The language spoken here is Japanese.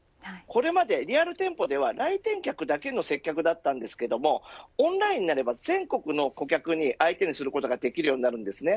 これまでリアル店舗では来店客だけの接客だったんですがオンラインになれば全国の顧客に相手にすることができます。